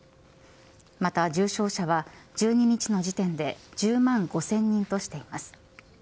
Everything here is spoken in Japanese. また、重症者は１２日の時点で１０万５０００人としています。